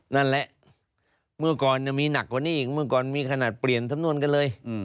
นั่นแหละเมื่อก่อนมีหนักกว่านี้อีกเมื่อก่อนมีขนาดเปลี่ยนสำนวนกันเลย